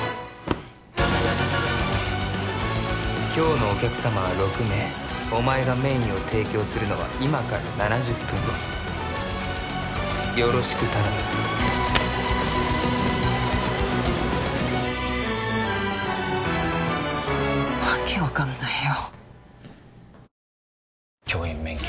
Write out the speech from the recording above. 今日のお客様は６名お前がメインを提供するのは今から７０分後よろしく頼む訳分かんないよ